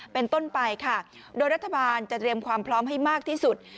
เป็นต้นไปค่ะโดยรัฐบาลจะเตรียมความพร้อมให้มากที่สุด